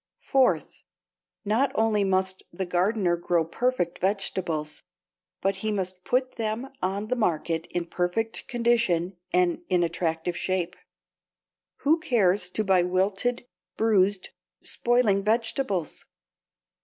Fourth, not only must the gardener grow perfect vegetables, but he must put them on the market in perfect condition and in attractive shape. Who cares to buy wilted, bruised, spoiling vegetables?